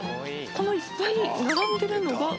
このいっぱい並んでるのが。